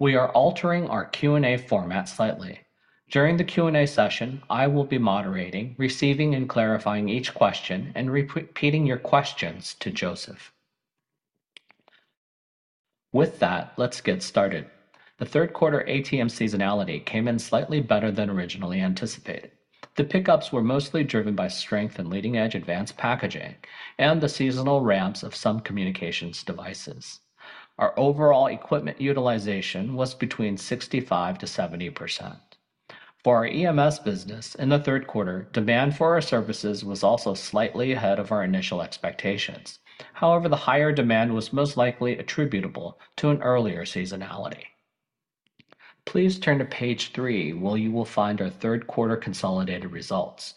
We are altering our Q&A format slightly. During the Q&A session, I will be moderating, receiving, and clarifying each question, and repeating your questions to Joseph. With that, let's get started. The third quarter ATM seasonality came in slightly better than originally anticipated. The pickups were mostly driven by strength and leading-edge advanced packaging, and the seasonal ramps of some communications devices. Our overall equipment utilization was between 65%-70%. For our EMS business, in the third quarter, demand for our services was also slightly ahead of our initial expectations. However, the higher demand was most likely attributable to an earlier seasonality. Please turn to Page 3, where you will find our third quarter consolidated results.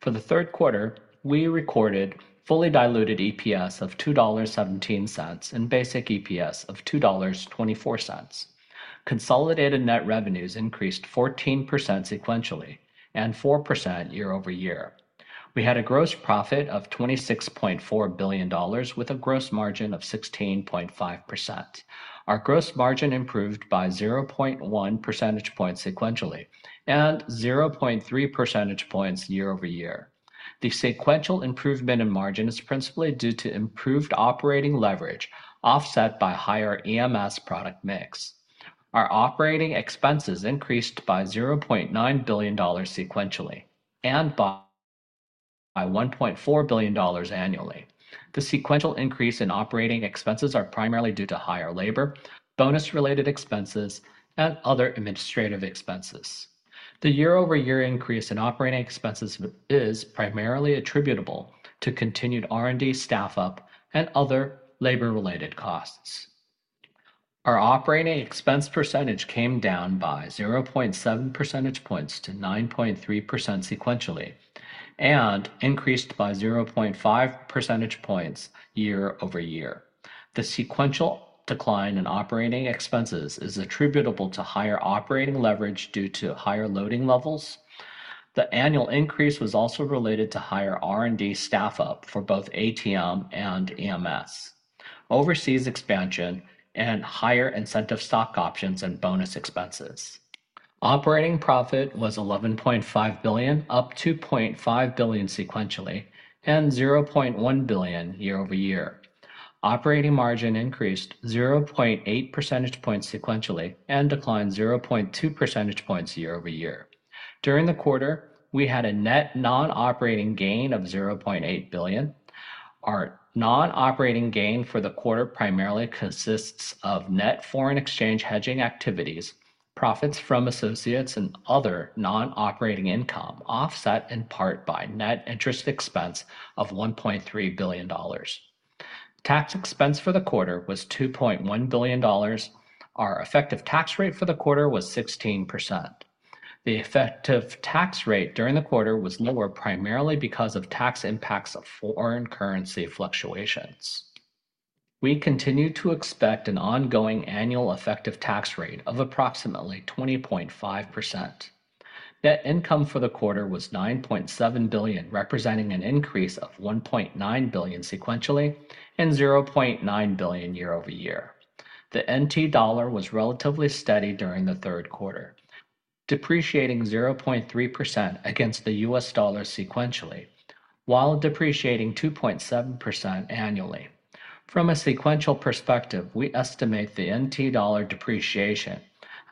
For the third quarter, we recorded fully diluted EPS of 2.17 dollars and basic EPS of 2.24 dollars. Consolidated net revenues increased 14% sequentially and 4% year-over-year. We had a gross profit of 26.4 billion dollars with a gross margin of 16.5%. Our gross margin improved by 0.1 percentage points sequentially and 0.3 percentage points year-over-year. The sequential improvement in margin is principally due to improved operating leverage offset by higher EMS product mix. Our operating expenses increased by 0.9 billion dollars sequentially and by 1.4 billion dollars annually. The sequential increase in operating expenses is primarily due to higher labor, bonus-related expenses, and other administrative expenses. The year-over-year increase in operating expenses is primarily attributable to continued R&D staff-up and other labor-related costs. Our operating expense percentage came down by 0.7 percentage points to 9.3% sequentially and increased by 0.5 percentage points year-over-year. The sequential decline in operating expenses is attributable to higher operating leverage due to higher loading levels. The annual increase was also related to higher R&D staff-up for both ATM and EMS, overseas expansion, and higher incentive stock options and bonus expenses. Operating profit was 11.5 billion, up 2.5 billion sequentially, and 0.1 billion year-over-year. Operating margin increased 0.8 percentage points sequentially and declined 0.2 percentage points year-over-year. During the quarter, we had a net non-operating gain of 0.8 billion. Our non-operating gain for the quarter primarily consists of net foreign exchange hedging activities, profits from associates, and other non-operating income offset in part by net interest expense of 1.3 billion dollars. Tax expense for the quarter was 2.1 billion dollars. Our effective tax rate for the quarter was 16%. The effective tax rate during the quarter was lower primarily because of tax impacts of foreign currency fluctuations. We continue to expect an ongoing annual effective tax rate of approximately 20.5%. Net income for the quarter was 9.7 billion, representing an increase of 1.9 billion sequentially and 0.9 billion year-over-year. The NT dollar was relatively steady during the third quarter, depreciating 0.3% against the U.S. dollar sequentially, while depreciating 2.7% annually. From a sequential perspective, we estimate the NT dollar depreciation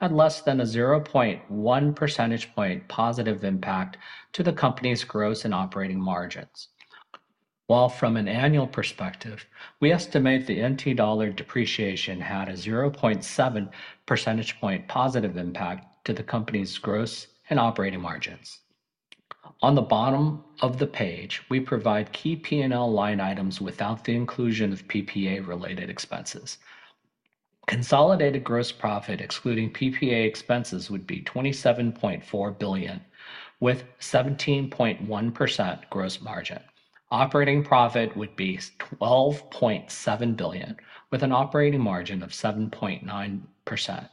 had less than a 0.1 percentage point positive impact to the company's gross and operating margins, while from an annual perspective, we estimate the NT dollar depreciation had a 0.7 percentage point positive impact to the company's gross and operating margins. On the bottom of the page, we provide key P&L line items without the inclusion of PPA-related expenses. Consolidated gross profit, excluding PPA expenses, would be 27.4 billion, with 17.1% gross margin. Operating profit would be 12.7 billion, with an operating margin of 7.9%.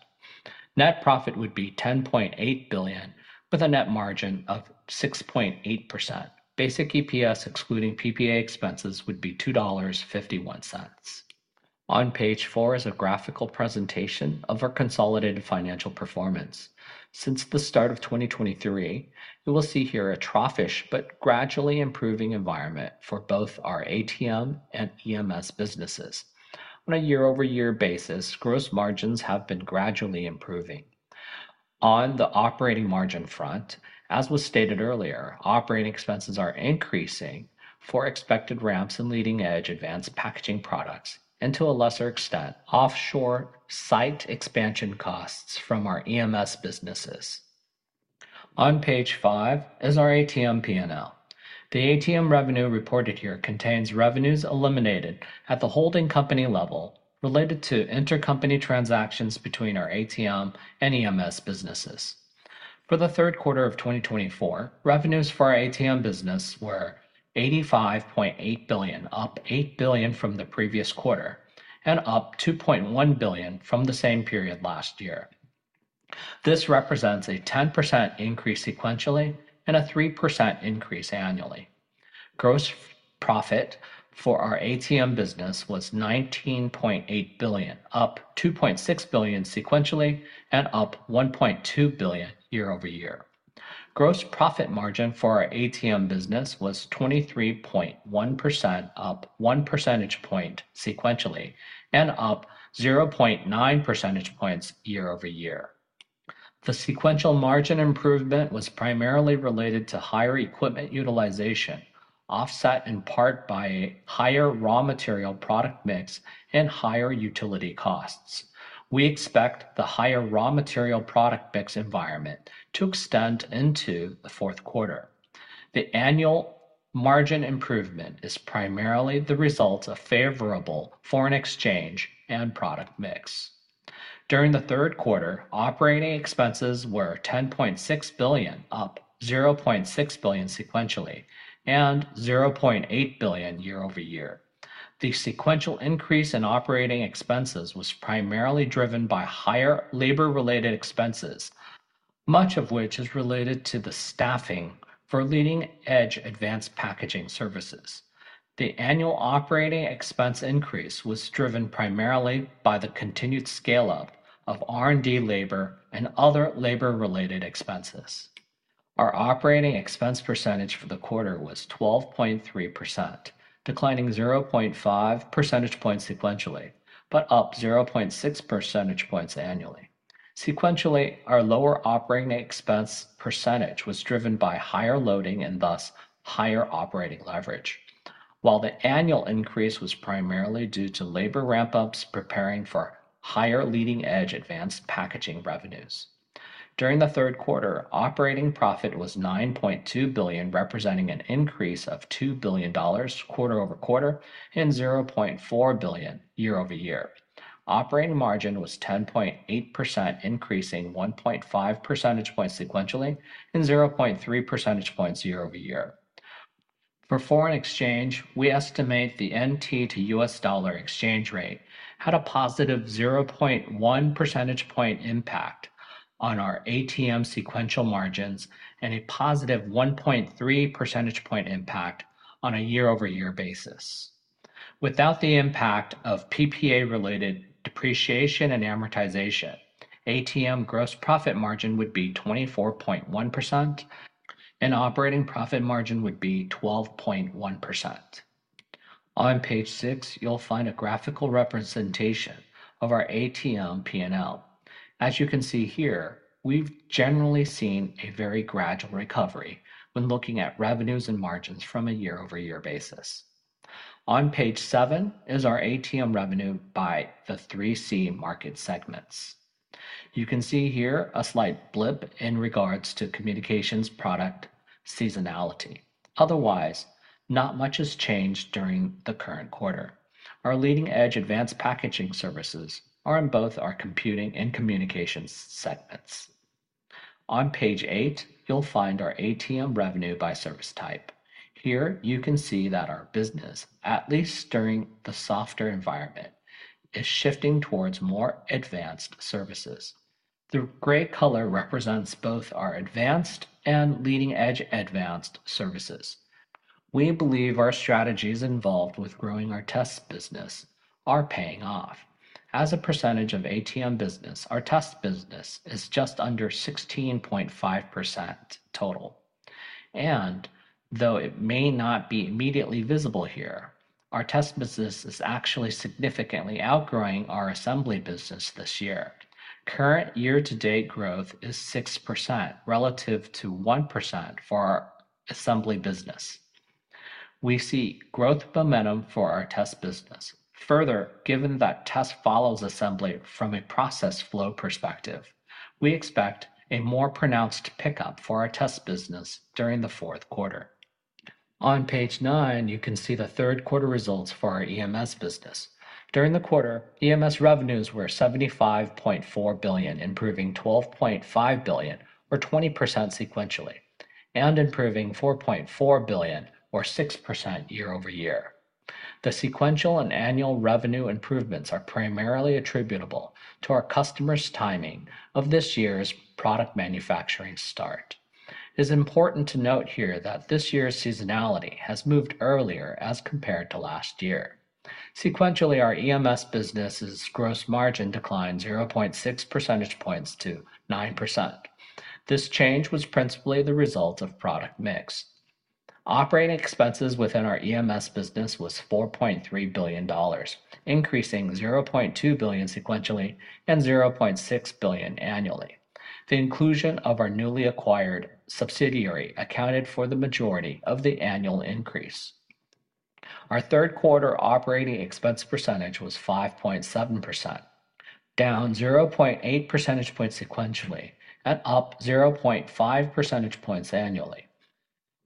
Net profit would be 10.8 billion, with a net margin of 6.8%. Basic EPS, excluding PPA expenses, would be 2.51 dollars. On Page 4 is a graphical presentation of our consolidated financial performance. Since the start of 2023, you will see here a troughish but gradually improving environment for both our ATM and EMS businesses. On a year-over-year basis, gross margins have been gradually improving. On the operating margin front, as was stated earlier, operating expenses are increasing for expected ramps and leading-edge advanced packaging products, and to a lesser extent, offshore site expansion costs from our EMS businesses. On Page 5 is our ATM P&L. The ATM revenue reported here contains revenues eliminated at the holding company level related to intercompany transactions between our ATM and EMS businesses. For the third quarter of 2024, revenues for our ATM business were 85.8 billion, up 8 billion from the previous quarter, and up 2.1 billion from the same period last year. This represents a 10% increase sequentially and a 3% increase annually. Gross profit for our ATM business was 19.8 billion, up 2.6 billion sequentially and up 1.2 billion year-over-year. Gross profit margin for our ATM business was 23.1%, up 1 percentage point sequentially, and up 0.9 percentage points year-over-year. The sequential margin improvement was primarily related to higher equipment utilization, offset in part by higher raw material product mix and higher utility costs. We expect the higher raw material product mix environment to extend into the fourth quarter. The annual margin improvement is primarily the result of favorable foreign exchange and product mix. During the third quarter, operating expenses were 10.6 billion, up 0.6 billion sequentially, and 0.8 billion year-over-year. The sequential increase in operating expenses was primarily driven by higher labor-related expenses, much of which is related to the staffing for leading-edge advanced packaging services. The annual operating expense increase was driven primarily by the continued scale-up of R&D labor and other labor-related expenses. Our operating expense percentage for the quarter was 12.3%, declining 0.5 percentage points sequentially, but up 0.6 percentage points annually. Sequentially, our lower operating expense percentage was driven by higher loading and thus higher operating leverage, while the annual increase was primarily due to labor ramp-ups preparing for higher leading-edge advanced packaging revenues. During the third quarter, operating profit was 9.2 billion, representing an increase of 2 billion dollars quarter over quarter and 0.4 billion year-over-year. Operating margin was 10.8%, increasing 1.5 percentage points sequentially and 0.3 percentage points year-over-year. For foreign exchange, we estimate the NT to U.S. dollar exchange rate had a positive 0.1 percentage point impact on our ATM sequential margins and a positive 1.3 percentage point impact on a year-over-year basis. Without the impact of PPA-related depreciation and amortization, ATM gross profit margin would be 24.1%, and operating profit margin would be 12.1%. On Page 6, you'll find a graphical representation of our ATM P&L. As you can see here, we've generally seen a very gradual recovery when looking at revenues and margins from a year-over-year basis. On Page 7 is our ATM revenue by the 3C market segments. You can see here a slight blip in regards to communications product seasonality. Otherwise, not much has changed during the current quarter. Our leading-edge advanced packaging services are in both our computing and communications segments. On Page 8, you'll find our ATM revenue by service type. Here, you can see that our business, at least during the softer environment, is shifting towards more advanced services. The gray color represents both our advanced and leading-edge advanced services. We believe our strategies involved with growing our test business are paying off. As a percentage of ATM business, our test business is just under 16.5% total. And though it may not be immediately visible here, our test business is actually significantly outgrowing our assembly business this year. Current year-to-date growth is 6% relative to 1% for our assembly business. We see growth momentum for our test business. Further, given that test follows assembly from a process flow perspective, we expect a more pronounced pickup for our test business during the fourth quarter. On Page 9, you can see the third quarter results for our EMS business. During the quarter, EMS revenues were 75.4 billion, improving 12.5 billion, or 20% sequentially, and improving 4.4 billion, or 6% year-over-year. The sequential and annual revenue improvements are primarily attributable to our customers' timing of this year's product manufacturing start. It is important to note here that this year's seasonality has moved earlier as compared to last year. Sequentially, our EMS business's gross margin declined 0.6 percentage points to 9%. This change was principally the result of product mix. Operating expenses within our EMS business was 4.3 billion dollars, increasing 0.2 billion sequentially and 0.6 billion annually. The inclusion of our newly acquired subsidiary accounted for the majority of the annual increase. Our third quarter operating expense percentage was 5.7%, down 0.8 percentage points sequentially and up 0.5 percentage points annually.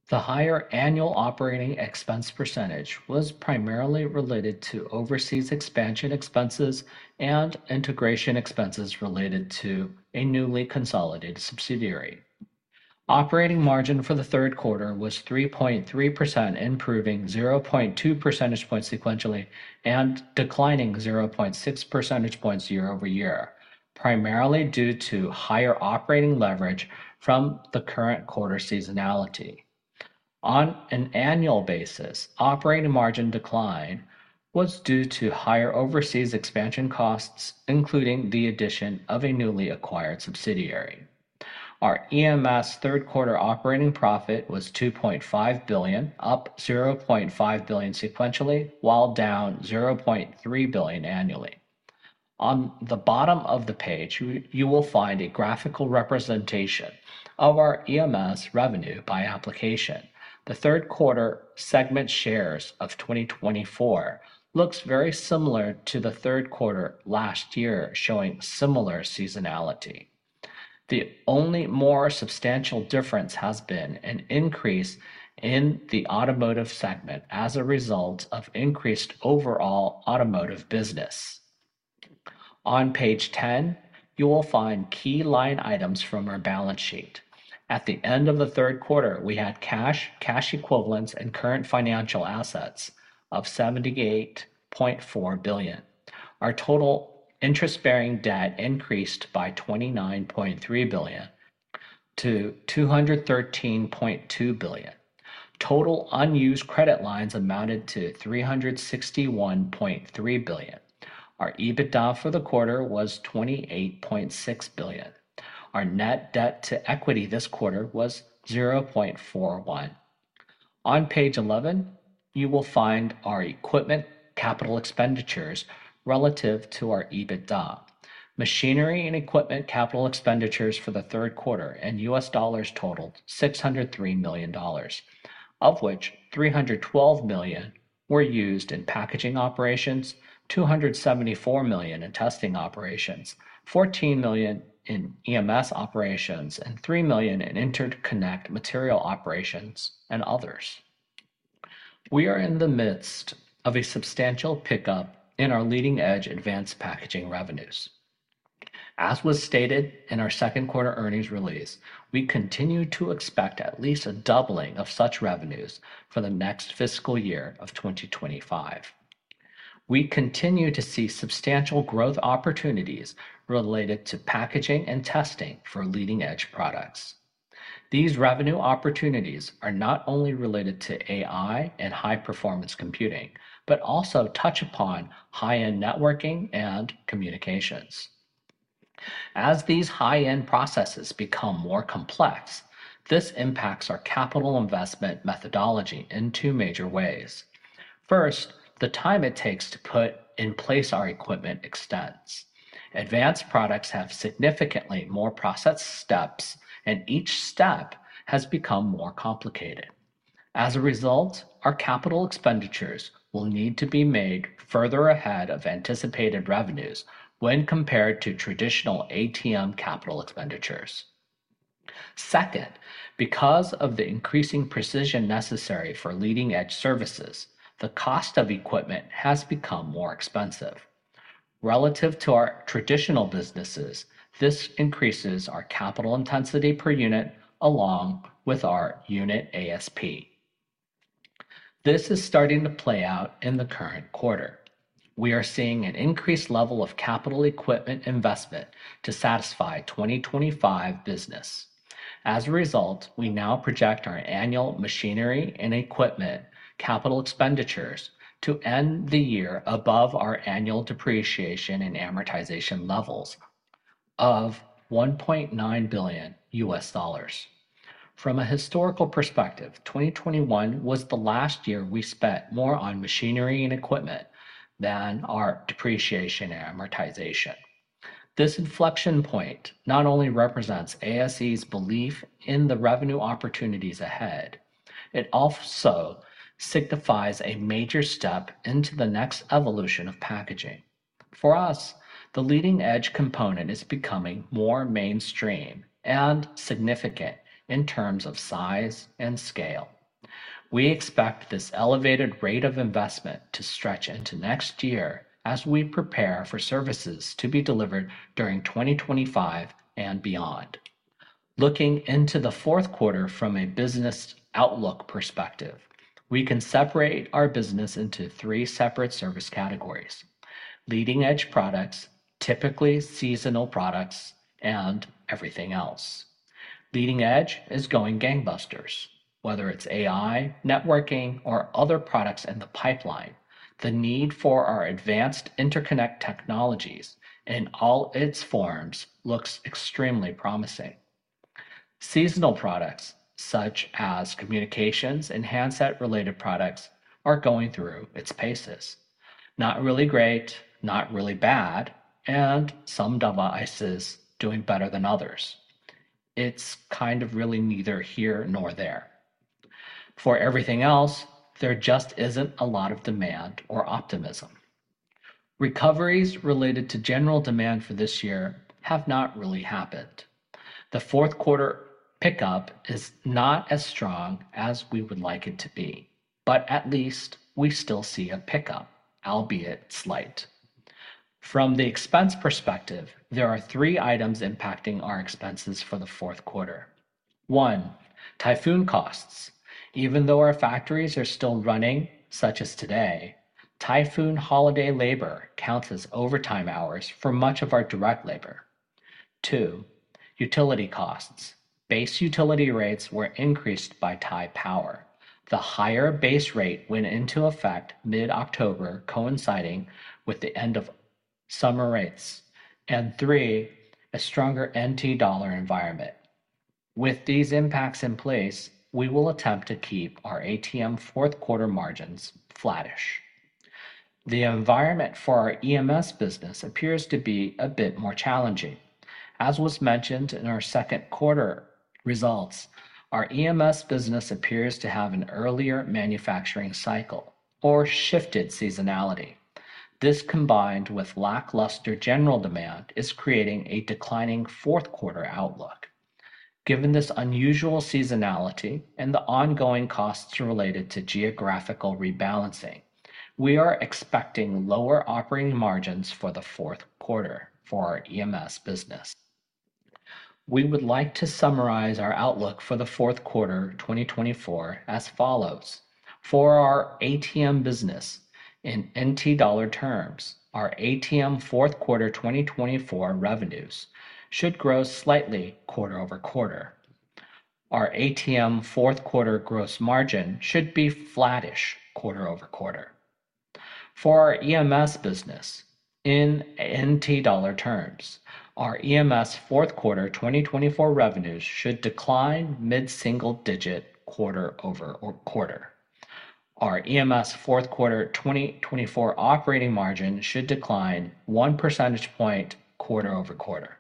The higher annual operating expense percentage was primarily related to overseas expansion expenses and integration expenses related to a newly consolidated subsidiary. Operating margin for the third quarter was 3.3%, improving 0.2 percentage points sequentially and declining 0.6 percentage points year-over-year, primarily due to higher operating leverage from the current quarter seasonality. On an annual basis, operating margin decline was due to higher overseas expansion costs, including the addition of a newly acquired subsidiary. Our EMS third quarter operating profit was 2.5 billion, up 0.5 billion sequentially, while down 0.3 billion annually. On the bottom of the page, you will find a graphical representation of our EMS revenue by application. The third quarter segment shares of 2024 look very similar to the third quarter last year, showing similar seasonality. The only more substantial difference has been an increase in the automotive segment as a result of increased overall automotive business. On page 10, you will find key line items from our balance sheet. At the end of the third quarter, we had cash, cash equivalents, and current financial assets of 78.4 billion. Our total interest-bearing debt increased by 29.3 billion to 213.2 billion. Total unused credit lines amounted to 361.3 billion. Our EBITDA for the quarter was 28.6 billion. Our net debt to equity this quarter was 0.41. On page 11, you will find our equipment capital expenditures relative to our EBITDA. Machinery and equipment capital expenditures for the third quarter in U.S. dollars totaled $603 million, of which $312 million were used in packaging operations, $274 million in testing operations, $14 million in EMS operations, and $3 million in interconnect material operations and others. We are in the midst of a substantial pickup in our leading-edge advanced packaging revenues. As was stated in our second quarter earnings release, we continue to expect at least a doubling of such revenues for the next fiscal year of 2025. We continue to see substantial growth opportunities related to packaging and testing for leading-edge products. These revenue opportunities are not only related to AI and high-performance computing, but also touch upon high-end networking and communications. As these high-end processes become more complex, this impacts our capital investment methodology in two major ways. First, the time it takes to put in place our equipment extends. Advanced products have significantly more process steps, and each step has become more complicated. As a result, our capital expenditures will need to be made further ahead of anticipated revenues when compared to traditional ATM capital expenditures. Second, because of the increasing precision necessary for leading-edge services, the cost of equipment has become more expensive. Relative to our traditional businesses, this increases our capital intensity per unit along with our unit ASP. This is starting to play out in the current quarter. We are seeing an increased level of capital equipment investment to satisfy 2025 business. As a result, we now project our annual machinery and equipment capital expenditures to end the year above our annual depreciation and amortization levels of $1.9 billion. From a historical perspective, 2021 was the last year we spent more on machinery and equipment than our depreciation and amortization. This inflection point not only represents ASE's belief in the revenue opportunities ahead, it also signifies a major step into the next evolution of packaging. For us, the leading-edge component is becoming more mainstream and significant in terms of size and scale. We expect this elevated rate of investment to stretch into next year as we prepare for services to be delivered during 2025 and beyond. Looking into the fourth quarter from a business outlook perspective, we can separate our business into three separate service categories: leading-edge products, typically seasonal products, and everything else. Leading-edge is going gangbusters. Whether it's AI, networking, or other products in the pipeline, the need for our advanced interconnect technologies in all its forms looks extremely promising. Seasonal products, such as communications and handset-related products, are going through its paces. Not really great, not really bad, and some devices doing better than others. It's kind of really neither here nor there. For everything else, there just isn't a lot of demand or optimism. Recoveries related to general demand for this year have not really happened. The fourth quarter pickup is not as strong as we would like it to be, but at least we still see a pickup, albeit slight. From the expense perspective, there are three items impacting our expenses for the fourth quarter. One, typhoon costs. Even though our factories are still running, such as today, typhoon holiday labor counts as overtime hours for much of our direct labor. Two, utility costs. Base utility rates were increased by Taipower. The higher base rate went into effect mid-October, coinciding with the end of summer rates, and three, a stronger NT dollar environment. With these impacts in place, we will attempt to keep our ATM fourth quarter margins flattish. The environment for our EMS business appears to be a bit more challenging. As was mentioned in our second quarter results, our EMS business appears to have an earlier manufacturing cycle or shifted seasonality. This, combined with lackluster general demand, is creating a declining fourth quarter outlook. Given this unusual seasonality and the ongoing costs related to geographical rebalancing, we are expecting lower operating margins for the fourth quarter for our EMS business. We would like to summarize our outlook for the fourth quarter 2024 as follows. For our ATM business, in NT dollar terms, our ATM fourth quarter 2024 revenues should grow slightly quarter over quarter. Our ATM fourth quarter gross margin should be flattish quarter over quarter. For our EMS business, in NT dollar terms, our EMS fourth quarter 2024 revenues should decline mid-single digit quarter over quarter. Our EMS fourth quarter 2024 operating margin should decline 1 percentage point quarter-over-quarter.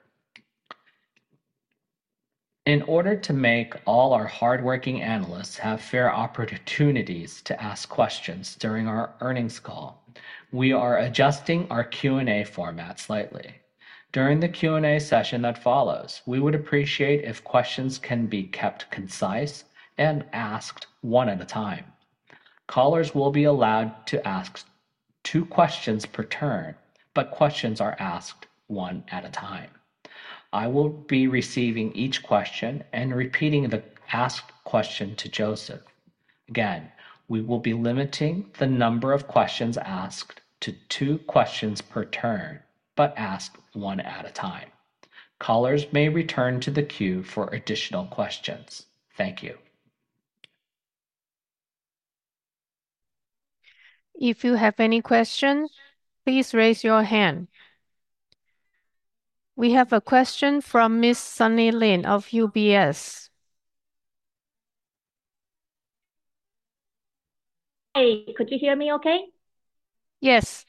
In order to make all our hardworking analysts have fair opportunities to ask questions during our earnings call, we are adjusting our Q&A format slightly. During the Q&A session that follows, we would appreciate if questions can be kept concise and asked one at a time. Callers will be allowed to ask two questions per turn, but questions are asked one at a time. I will be receiving each question and repeating the asked question to Joseph. Again, we will be limiting the number of questions asked to two questions per turn, but asked one at a time. Callers may return to the queue for additional questions. Thank you. If you have any questions, please raise your hand. We have a question from Ms. Sunny Lin of UBS. Hey, could you hear me okay? Yes.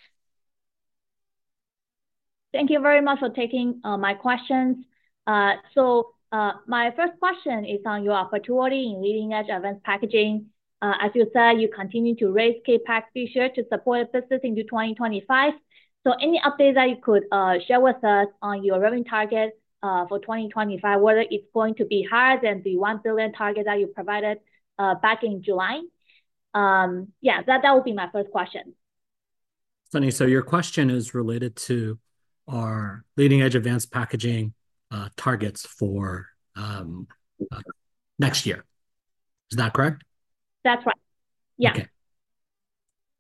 Thank you very much for taking my questions. My first question is on your opportunity in leading-edge advanced packaging. As you said, you continue to raise CapEx figure to support businesses into 2025. Any updates that you could share with us on your revenue target for 2025, whether it's going to be higher than the $1 billion target that you provided back in July? Yeah, that would be my first question. Sunny, your question is related to our leading-edge advanced packaging targets for next year. Is that correct? That's right. Yeah. Okay.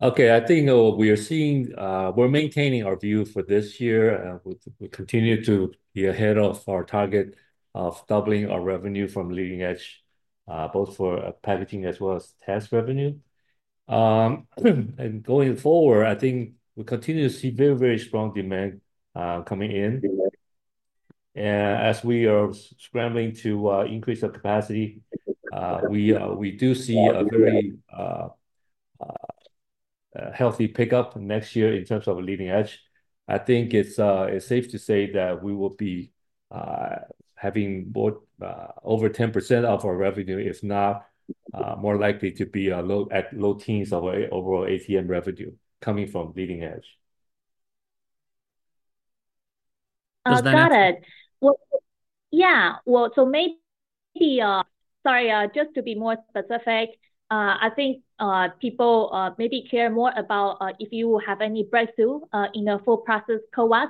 Okay. I think we are seeing. We're maintaining our view for this year. We continue to be ahead of our target of doubling our revenue from leading-edge, both for packaging as well as test revenue. And going forward, I think we continue to see very, very strong demand coming in. As we are scrambling to increase our capacity, we do see a very healthy pickup next year in terms of leading-edge. I think it's safe to say that we will be having over 10% of our revenue, if not more likely to be at low teens of our overall ATM revenue coming from leading-edge. I've got it. Yeah, well, so maybe sorry, just to be more specific, I think people maybe care more about if you have any breakthrough in the full process CoWoS.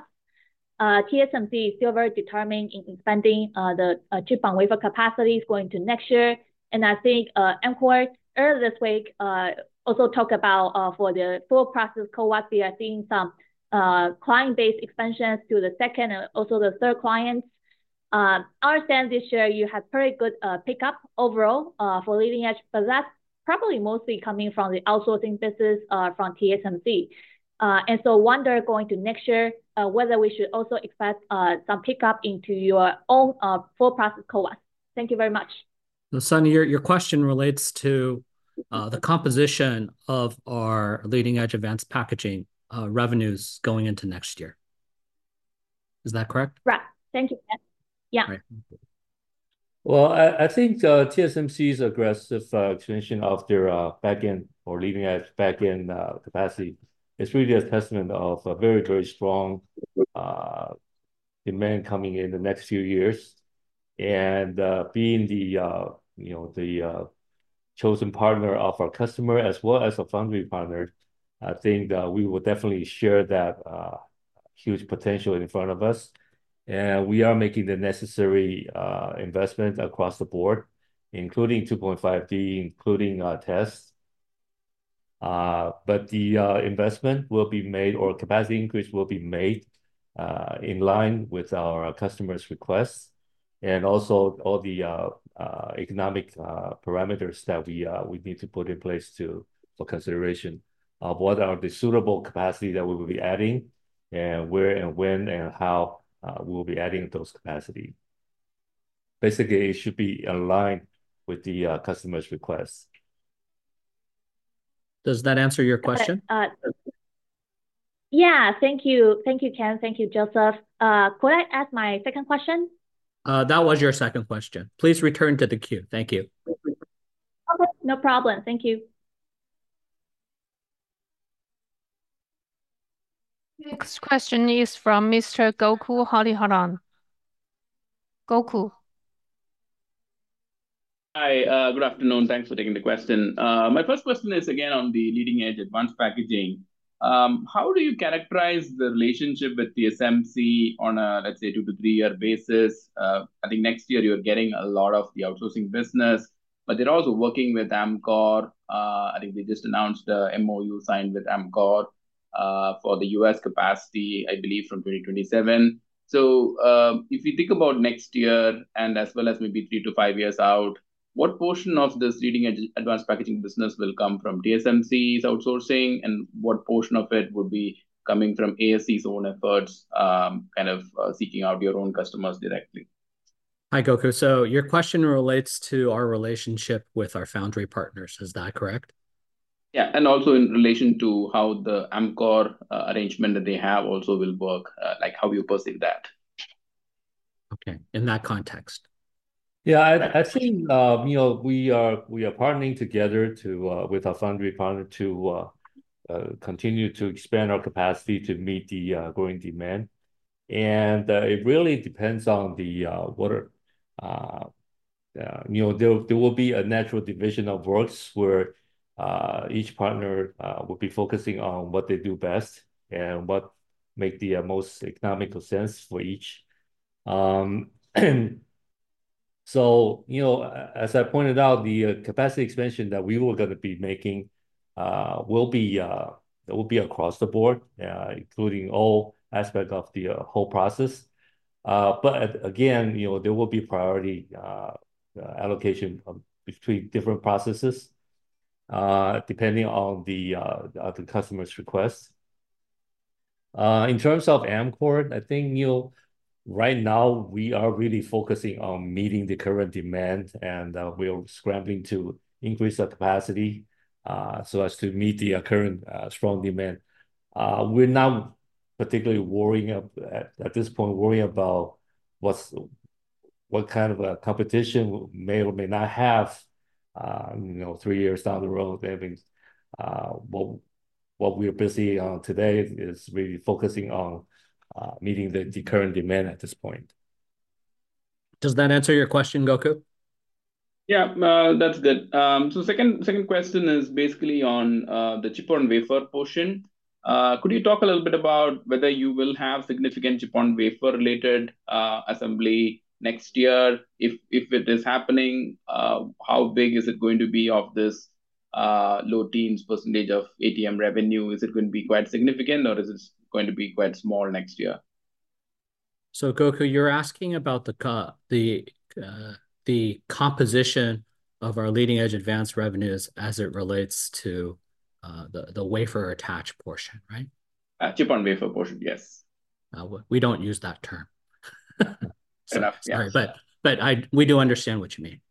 TSMC is still very determined in expanding the Chip-on-Wafer capacities going to next year. I think Amkor earlier this week also talked about for the full process CoWoS, we are seeing some client-based expansions to the second and also the third clients. I understand this year, you have pretty good pickup overall for leading-edge, but that's probably mostly coming from the outsourcing business from TSMC. And so wonder going to next year, whether we should also expect some pickup into your own full process CoWoS. Thank you very much. Sunny, your question relates to the composition of our leading-edge advanced packaging revenues going into next year. Is that correct? Right. Thank you. Yeah. Well, I think TSMC's aggressive expansion of their back-end or leading-edge back-end capacity is really a testament of a very, very strong demand coming in the next few years. And being the chosen partner of our customer as well as a foundry partner, I think we will definitely share that huge potential in front of us. And we are making the necessary investment across the board, including 2.5D, including tests. But the investment will be made or capacity increase will be made in line with our customer's requests. And also all the economic parameters that we need to put in place to for consideration of what are the suitable capacity that we will be adding and where and when and how we will be adding those capacity. Basically, it should be aligned with the customer's requests. Does that answer your question? Yeah, thank you. Thank you, Ken. Thank you, Joseph. Could I ask my second question? That was your second question. Please return to the queue. Thank you. No problem. Thank you. Next question is from Mr. Gokul Hariharan. Gokul. Hi, good afternoon. Thanks for taking the question. My first question is again on the leading-edge advanced packaging. How do you characterize the relationship with TSMC on a, let's say, two- to three-year basis? I think next year you're getting a lot of the outsourcing business, but they're also working with Amkor. I think they just announced the MOU signed with Amkor for the U.S. capacity, I believe, from 2027. So if you think about next year and as well as maybe three to five years out, what portion of this leading-edge advanced packaging business will come from TSMC's outsourcing and what portion of it would be coming from ASE's own efforts, kind of seeking out your own customers directly? Hi, Gokul. So your question relates to our relationship with our foundry partners. Is that correct? Yeah. And also in relation to how the Amkor arrangement that they have also will work, like how you perceive that. Okay. In that context. Yeah, I think we are partnering together with our foundry partner to continue to expand our capacity to meet the growing demand. It really depends on what, there will be a natural division of works where each partner will be focusing on what they do best and what makes the most economical sense for each. So as I pointed out, the capacity expansion that we were going to be making will be across the board, including all aspects of the whole process. But again, there will be priority allocation between different processes depending on the customer's request. In terms of Amkor, I think right now we are really focusing on meeting the current demand and we're scrambling to increase our capacity so as to meet the current strong demand. We're not particularly worrying at this point about what kind of a competition we may or may not have three years down the road. What we're busy on today is really focusing on meeting the current demand at this point. Does that answer your question, Gokul? Yeah, that's good. So second question is basically on the Chip-on-Wafer portion. Could you talk a little bit about whether you will have significant Chip-on-Wafer-related assembly next year? If it is happening, how big is it going to be of this low teens percentage of ATM revenue? Is it going to be quite significant, or is it going to be quite small next year? So Gokul, you're asking about the composition of our leading-edge advanced revenues as it relates to the wafer attach portion, right? Chip-on-Wafer portion, yes. We don't use that term. But we do understand what you mean.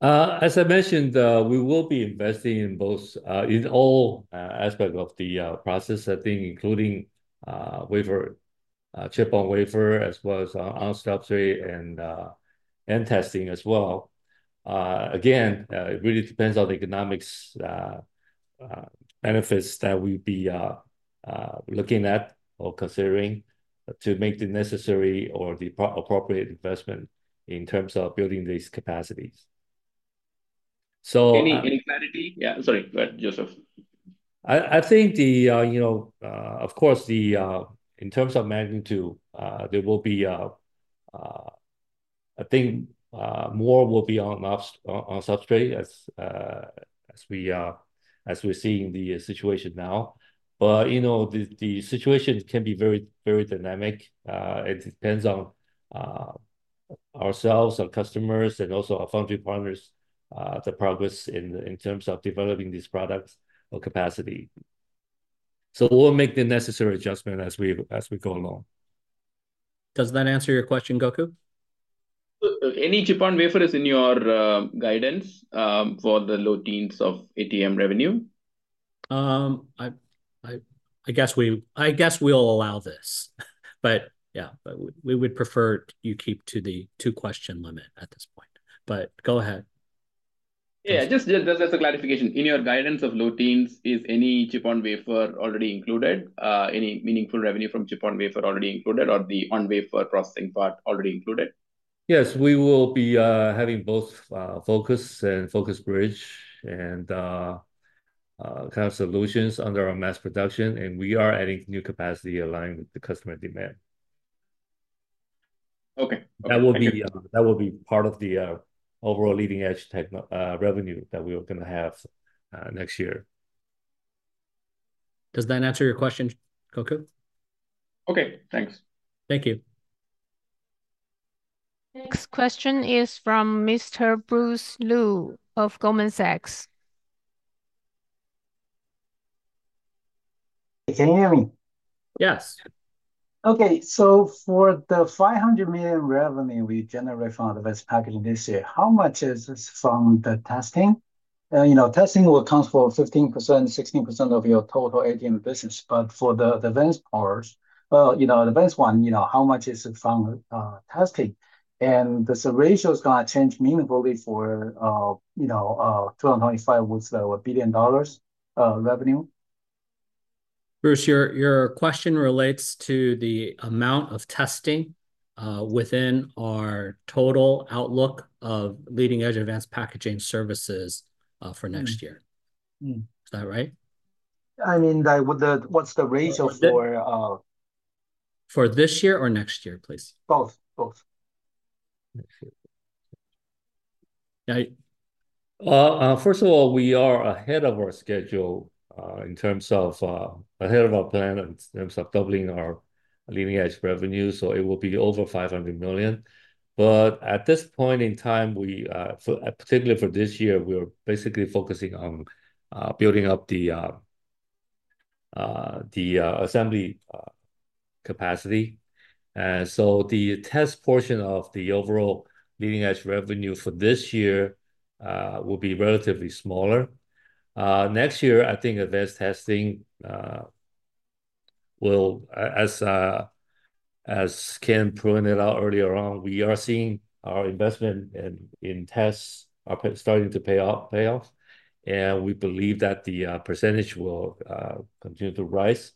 As I mentioned, we will be investing in all aspects of the process, I think, including Chip-on-Wafer as well as on-substrate and testing as well. Again, it really depends on the economic benefits that we'll be looking at or considering to make the necessary or the appropriate investment in terms of building these capacities. So any clarity? Yeah, sorry, go ahead, Joseph. I think, of course, in terms of magnitude, there will be, I think, more will be on substrate as we're seeing the situation now. But the situation can be very, very dynamic. It depends on ourselves, our customers, and also our foundry partners, the progress in terms of developing these products or capacity. So we'll make the necessary adjustment as we go along. Does that answer your question, Gokul? Any chip on wafer is in your guidance for the low teens of ATM revenue? I guess we'll allow this. But yeah, we would prefer you keep to the two-question limit at this point. But go ahead. Yeah, just as a clarification, in your guidance of low teens, is any chip on wafer already included? Any meaningful revenue from chip on wafer already included or the on-wafer processing part already included? Yes, we will be having both FOCoS and FOCoS-Bridge and kind of solutions under our mass production, and we are adding new capacity aligned with the customer demand. Okay. That will be part of the overall leading-edge revenue that we are going to have next year. Does that answer your question, Gokul? Okay. Thanks. Thank you. Next question is from Mr. Bruce Lu of Goldman Sachs. Can you hear me? Yes. Okay. So for the $500 million revenue we generate from advanced packaging this year, how much is this from the testing? Testing will account for 15%-16% of your total ATM business. But for the advanced parts, the advanced one, how much is it from testing? And the ratio is going to change meaningfully for 225 billion dollars revenue. Bruce, your question relates to the amount of testing within our total outlook of leading-edge advanced packaging services for next year. Is that right? I mean, what's the ratio for? For this year or next year, please? Both. Both. First of all, we are ahead of our schedule in terms of, ahead of our plan in terms of doubling our leading-edge revenue. So it will be over 500 million. But at this point in time, particularly for this year, we're basically focusing on building up the assembly capacity. And so the test portion of the overall leading-edge revenue for this year will be relatively smaller. Next year, I think advanced testing will, as Ken pointed out earlier on, we are seeing our investment in tests starting to pay off, and we believe that the percentage will continue to rise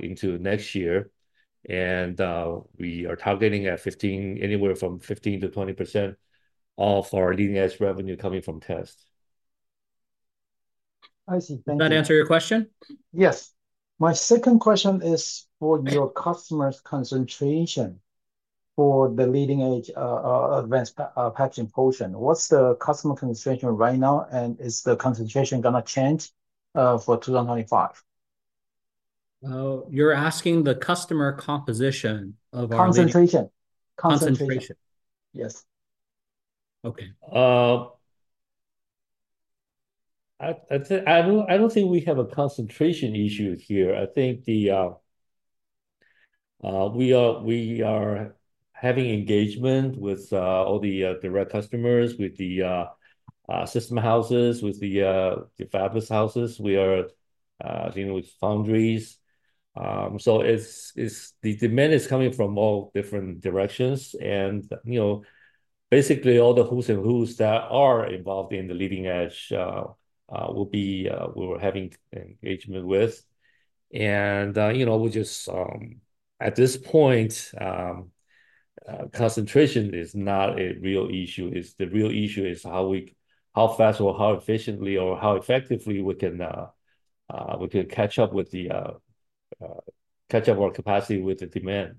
into next year, and we are targeting at anywhere from 15%-20% of our leading-edge revenue coming from tests. I see. That answer your question? Yes. My second question is for your customer's concentration for the leading-edge advanced packaging portion. What's the customer concentration right now? And is the concentration going to change for 2025? You're asking the customer composition of our leading-edge? Concentration. Concentration. Yes. Okay. I don't think we have a concentration issue here. I think we are having engagement with all the direct customers, with the system houses, with the fab houses. We are dealing with foundries. So the demand is coming from all different directions. Basically, all the who's and who's that are involved in the leading-edge will be we're having engagement with. We're just at this point, concentration is not a real issue. The real issue is how fast or how efficiently or how effectively we can catch up with the catch-up our capacity with the demand.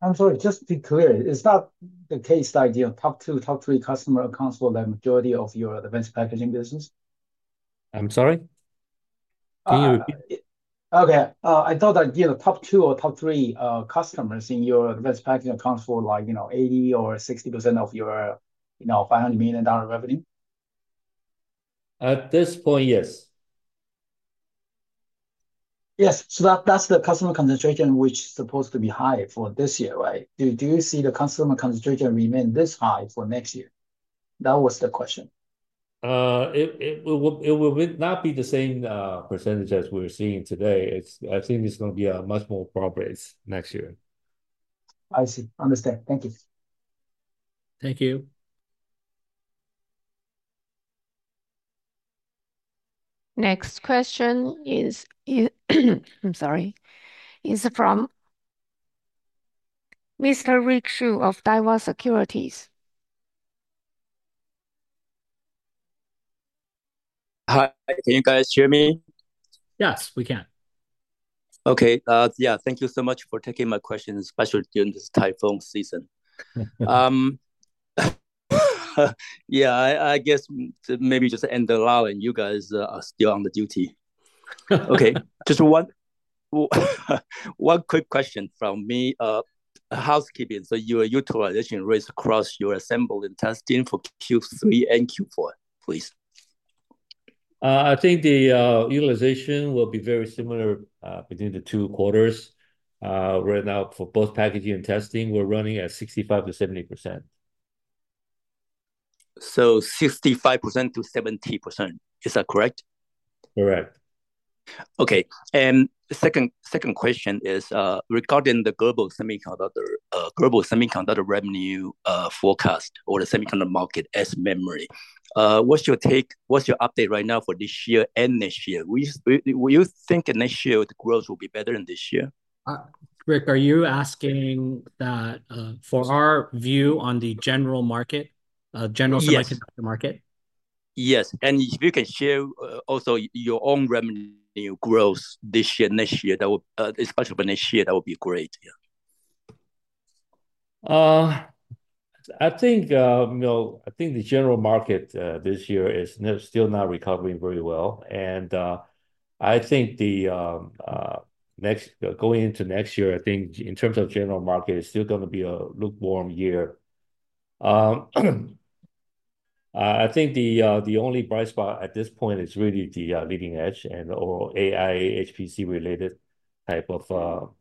I'm sorry, just to be clear, is that the case that top two, top three customers account for the majority of your advanced packaging business? I'm sorry? Can you repeat? Okay. I thought that top two or top three customers in your advanced packaging account for like 80% or 60% of your 500 million dollar revenue? At this point, yes. Yes. So that's the customer concentration, which is supposed to be high for this year, right? Do you see the customer concentration remain this high for next year? That was the question. It will not be the same percentage as we're seeing today. I think it's going to be much more progress next year. I see. Understand. Thank you. Thank you. Next question is, I'm sorry, from Mr. Rick Hsu of Daiwa Securities. Hi. Can you guys hear me? Yes, we can. Okay. Yeah. Thank you so much for taking my question, especially during this typhoon season. Yeah, I guess maybe just in the lurch and you guys are still on duty. Okay. Just one quick question from me, housekeeping. So your utilization rates across your assembly and testing for Q3 and Q4, please. I think the utilization will be very similar between the two quarters. Right now, for both packaging and testing, we're running at 65%-70%. So 65%-70%. Is that correct? Correct. Okay. And second question is regarding the global semiconductor revenue forecast or the semiconductor market as memory. What's your update right now for this year and next year? Will you think next year the growth will be better than this year? Rick, are you asking that for our view on the general market, general semiconductor market? Yes. And if you can share also your own revenue growth this year, next year, especially for next year, that would be great. Yeah. I think the general market this year is still not recovering very well. And I think going into next year, I think in terms of general market, it's still going to be a lukewarm year. I think the only bright spot at this point is really the leading edge and the AI HPC-related type of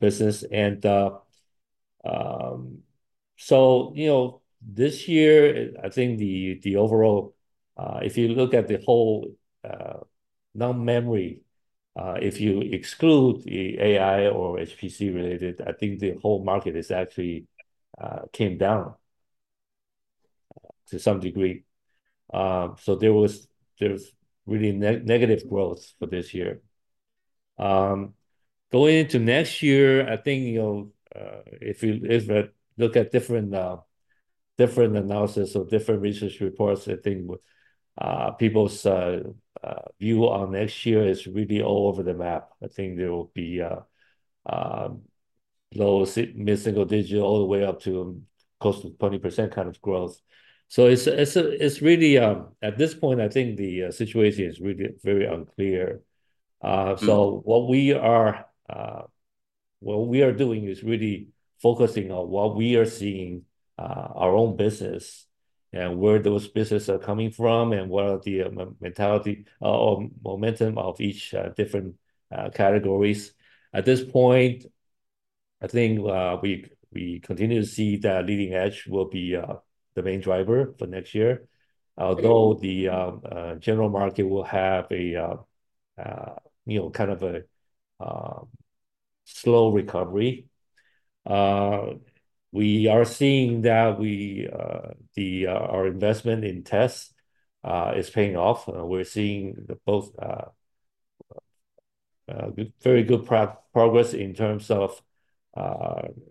business. And so this year, I think the overall, if you look at the whole non-memory, if you exclude the AI or HPC-related, I think the whole market has actually come down to some degree. So there was really negative growth for this year. Going into next year, I think if you look at different analysis or different research reports, I think people's view on next year is really all over the map. I think there will be low single digit all the way up to close to 20% kind of growth. So it's really, at this point, I think the situation is really very unclear. So what we are doing is really focusing on what we are seeing, our own business, and where those businesses are coming from, and what are the mentality or momentum of each different categories. At this point, I think we continue to see that leading edge will be the main driver for next year. Although the general market will have a kind of a slow recovery, we are seeing that our investment in tests is paying off. We're seeing both very good progress in terms of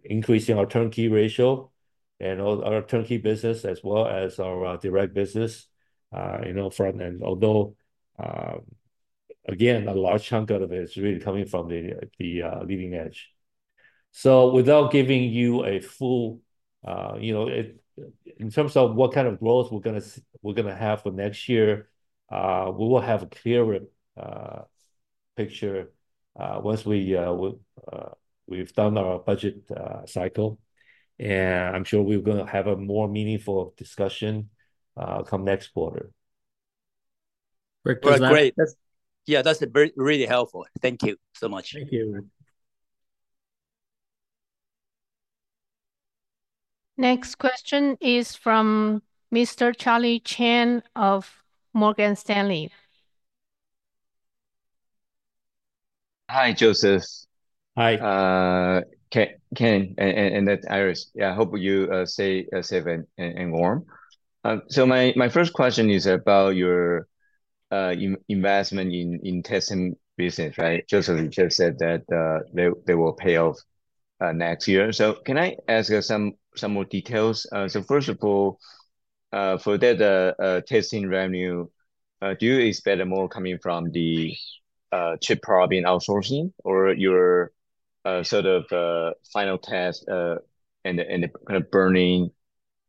increasing our turnkey ratio and our turnkey business, as well as our direct business front end. Although, again, a large chunk of it is really coming from the leading edge. So without giving you a full, in terms of what kind of growth we're going to have for next year, we will have a clearer picture once we've done our budget cycle, and I'm sure we're going to have a more meaningful discussion come next quarter. That's great. Yeah, that's really helpful. Thank you so much. Thank you. Next question is from Mr. Charlie Chan of Morgan Stanley. Hi, Joseph. Hi. Ken and Iris. Yeah, I hope you stay safe and warm. So my first question is about your investment in testing business, right? Joseph just said that they will pay off next year. So can I ask you some more details? So first of all, for that testing revenue, do you expect more coming from the chip probing in outsourcing or your sort of final test and the kind of burn-in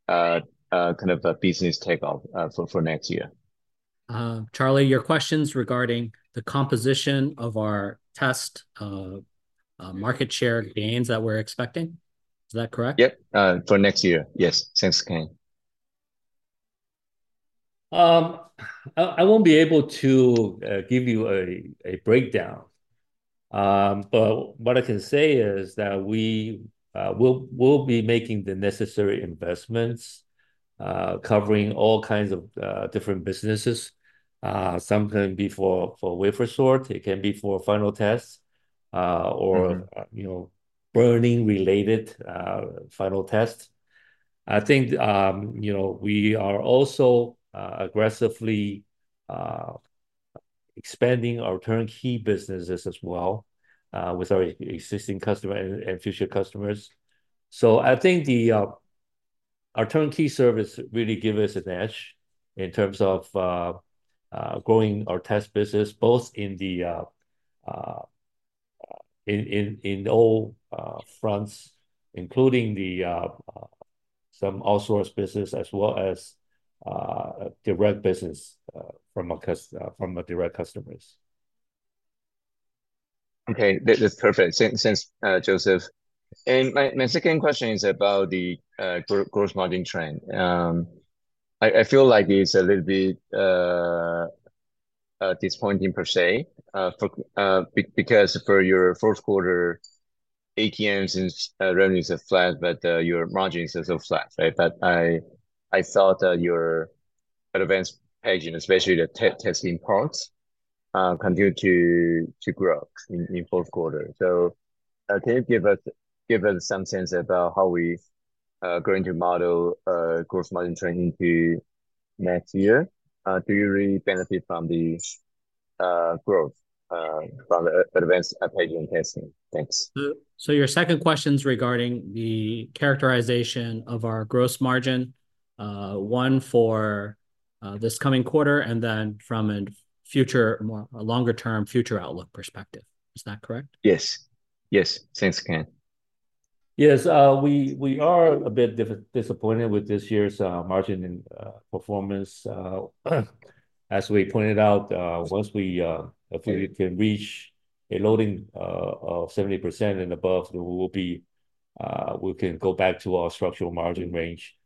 kind of business takeoff for next year? Charlie, your question's regarding the composition of our test market share gains that we're expecting. Is that correct? Yep, for next year. Yes. Thanks, Ken. I won't be able to give you a breakdown. But what I can say is that we will be making the necessary investments covering all kinds of different businesses. Some can be for wafer sort. It can be for final tests or burn-in-related final tests. I think we are also aggressively expanding our turnkey businesses as well with our existing customers and future customers. So I think our turnkey service really gives us an edge in terms of growing our test business, both on all fronts, including some outsourced business, as well as direct business from our direct customers. Okay. That's perfect. Thanks, Joseph. My second question is about the gross margin trend. I feel like it's a little bit disappointing per se because for your fourth quarter, ATM revenues are flat, but your margins are so flat, right? But I thought that your advanced packaging, especially the testing parts, continued to grow in fourth quarter. So can you give us some sense about how we're going to model gross margin trend into next year? Do you really benefit from the growth from the advanced packaging testing? Thanks. So your second question's regarding the characterization of our gross margin, one for this coming quarter, and then from a longer-term future outlook perspective. Is that correct? Yes. Yes. Thanks, Ken. Yes. We are a bit disappointed with this year's margin performance. As we pointed out, once we can reach a loading of 70% and above, we can go back to our structural margin range.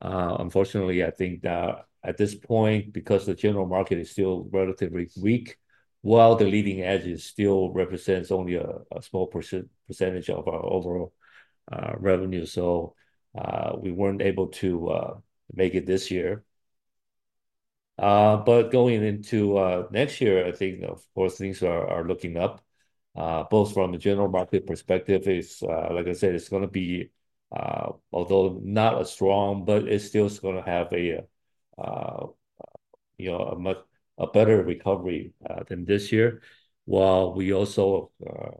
Unfortunately, I think that at this point, because the general market is still relatively weak, while the leading edge still represents only a small percentage of our overall revenue. So we weren't able to make it this year. But going into next year, I think, of course, things are looking up. Both from a general market perspective, like I said, it's going to be, although not as strong, but it's still going to have a much better recovery than this year, while we also are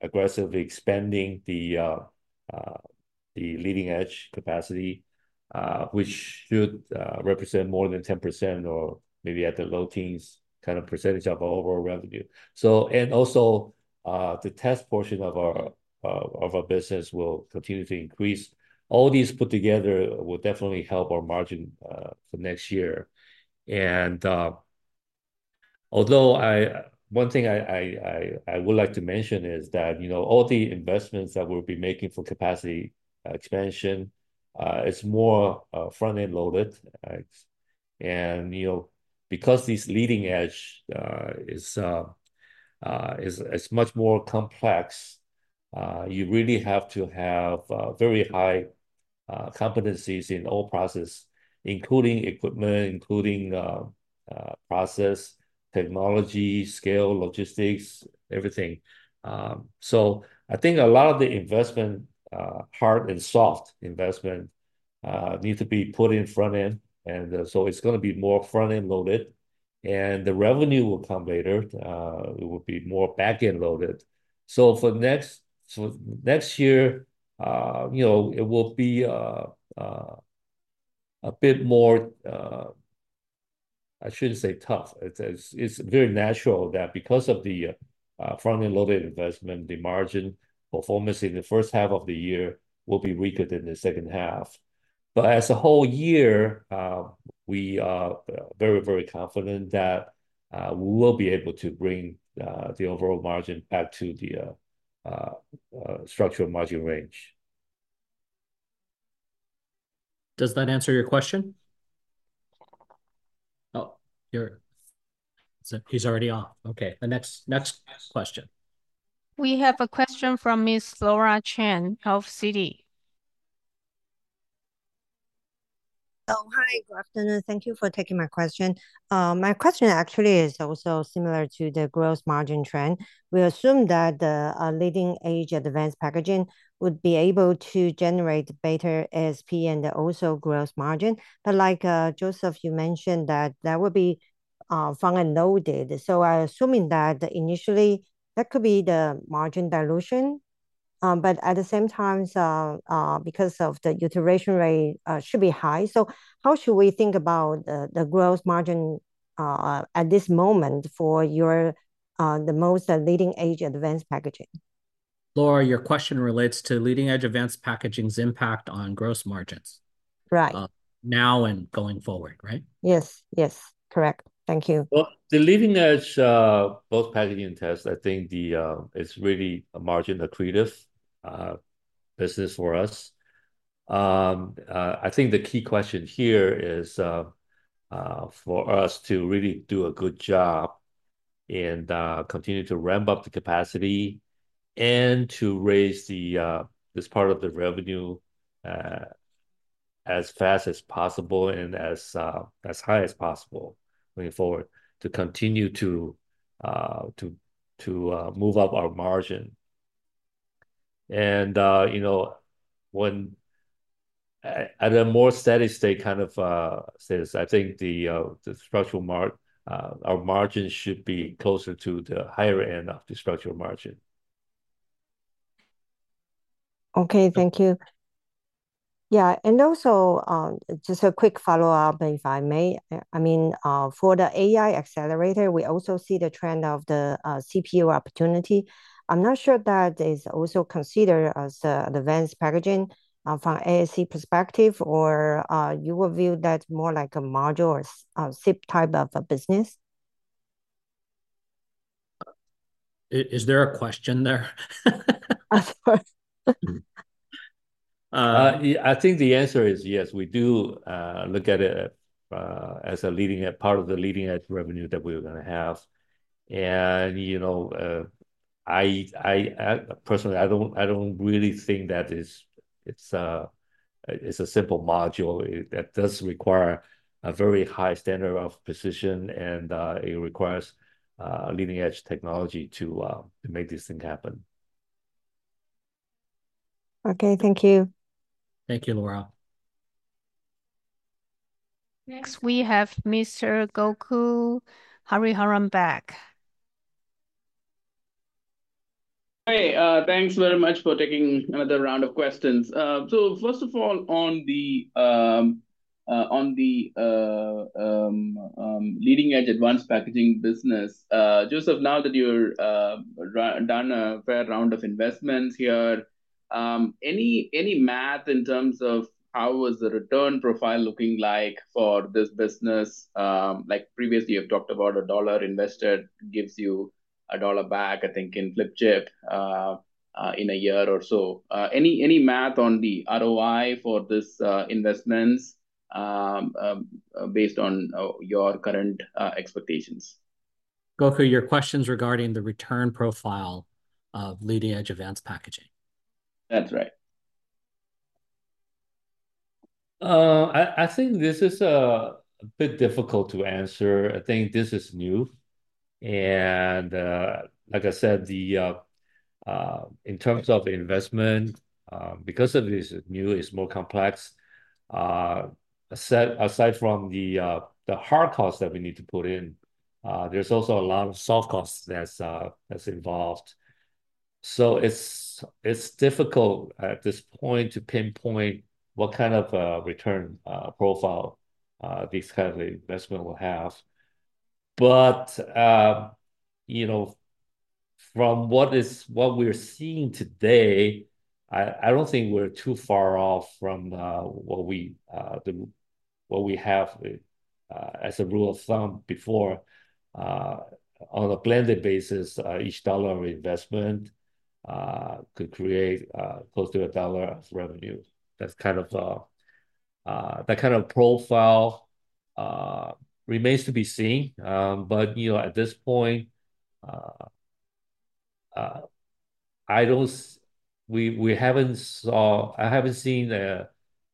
aggressively expanding the leading edge capacity, which should represent more than 10% or maybe at the low teens kind of percentage of our overall revenue, and also, the test portion of our business will continue to increase. All these put together will definitely help our margin for next year, and although one thing I would like to mention is that all the investments that we'll be making for capacity expansion, it's more front-end loaded, and because this leading edge is much more complex, you really have to have very high competencies in all processes, including equipment, including process, technology, scale, logistics, everything. So I think a lot of the investment, hard and soft investment, need to be put in front-end. And so it's going to be more front-end loaded. And the revenue will come later. It will be more back-end loaded. So for next year, it will be a bit more, I shouldn't say tough. It's very natural that because of the front-end loaded investment, the margin performance in the first half of the year will be weaker than the second half. But as a whole year, we are very, very confident that we will be able to bring the overall margin back to the structural margin range. Does that answer your question? Oh, he's already off. Okay. The next question. We have a question from Ms. Laura Chen from Citi. Oh, hi. Good afternoon. Thank you for taking my question. My question actually is also similar to the gross margin trend. We assume that the leading-edge advanced packaging would be able to generate better ASP and also gross margin. Like Joseph, you mentioned that that would be front-end loaded. I'm assuming that initially, that could be the margin dilution. At the same time, because of the iteration rate, it should be high. How should we think about the gross margin at this moment for the most leading-edge advanced packaging? Laura, your question relates to leading-edge advanced packaging's impact on gross margins now and going forward, right? Yes. Yes. Correct. Thank you. The leading-edge advanced packaging and testing, I think it's really a margin accretive business for us. I think the key question here is for us to really do a good job and continue to ramp up the capacity and to raise this part of the revenue as fast as possible and as high as possible going forward to continue to move up our margin. And at a more steady state kind of status, I think our margin should be closer to the higher end of the structural margin. Okay. Thank you. Yeah. And also, just a quick follow-up, if I may. I mean, for the AI accelerator, we also see the trend of the CPU opportunity. I'm not sure that is also considered as advanced packaging from ASE perspective, or you will view that more like a module or SiP type of a business? Is there a question there? I think the answer is yes. We do look at it as a part of the leading-edge revenue that we're going to have. And personally, I don't really think that it's a simple module. That does require a very high standard of precision, and it requires leading-edge technology to make this thing happen. Okay. Thank you. Thank you, Laura. Next, we have Mr. Gokul Hariharan. Hi. Thanks very much for taking another round of questions. So first of all, on the leading-edge advanced packaging business, Joseph, now that you've done a fair round of investments here, any math in terms of how was the return profile looking like for this business? Previously, you've talked about a dollar invested gives you a dollar back, I think, in flip chip in a year or so. Any math on the ROI for this investment based on your current expectations? Gokul, your questions regarding the return profile of leading-edge advanced packaging. That's right. I think this is a bit difficult to answer. I think this is new. And like I said, in terms of investment, because this is new, it's more complex. Aside from the hard costs that we need to put in, there's also a lot of soft costs that's involved. So it's difficult at this point to pinpoint what kind of return profile these kinds of investments will have. But from what we're seeing today, I don't think we're too far off from what we have as a rule of thumb before. On a blended basis, each dollar of investment could create close to a dollar of revenue. That kind of profile remains to be seen. But at this point, we haven't seen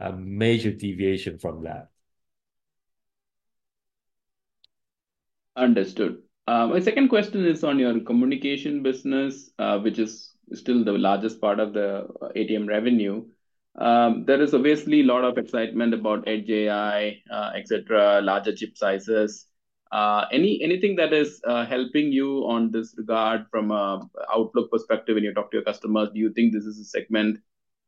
a major deviation from that. Understood. My second question is on your communication business, which is still the largest part of the ATM revenue. There is obviously a lot of excitement about edge AI, etc., larger chip sizes. Anything that is helping you in this regard from an outlook perspective when you talk to your customers? Do you think this is a segment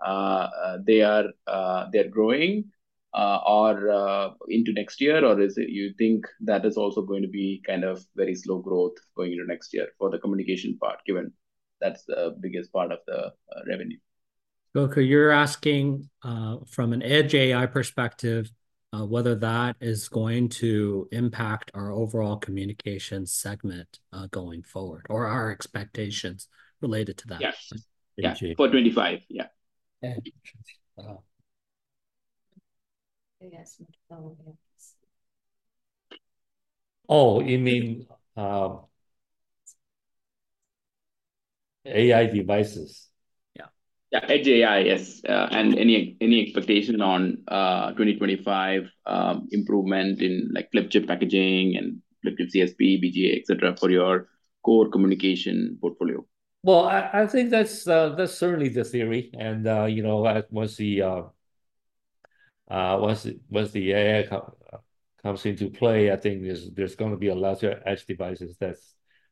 they are growing into next year? Or do you think that is also going to be kind of very slow growth going into next year for the communication part, given that's the biggest part of the revenue? Gokul, you're asking from an edge AI perspective whether that is going to impact our overall communication segment going forward or our expectations related to that. Yes. For 2025. Yeah. Oh, you mean AI devices? Yeah. Yeah. Edge AI, yes. Any expectation on 2025 improvement in flip chip packaging and flip chip CSP, BGA, etc., for your core communication portfolio? I think that's certainly the theory. And once the AI comes into play, I think there's going to be a larger edge devices